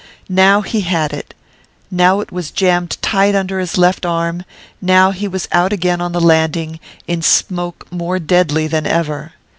Now he had it; now it was jammed tight under his left arm; now he was out again on the landing, in smoke more deadly than ever.